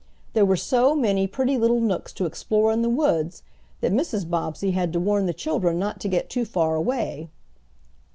There were so many pretty little nooks to explore in the woods that Mrs. Bobbsey had to warn the children not to get too far away.